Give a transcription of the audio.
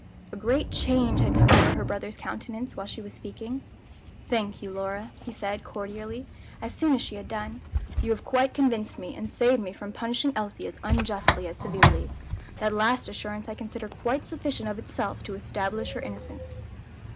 A great change had come over her brother's countenance while she was speaking. "Thank you, Lora," he said, cordially, as soon as she had done, "you have quite convinced me, and saved me from punishing Elsie as unjustly as severely. That last assurance I consider quite sufficient of itself to establish her innocence."